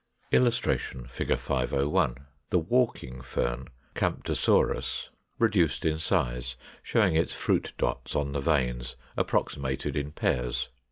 [Illustration: Fig. 501. The Walking Fern, Camptosorus, reduced in size, showing its fruit dots on the veins approximated in pairs.